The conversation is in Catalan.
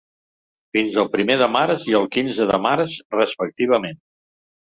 Fins el primer de març i el quinze de març, respectivament.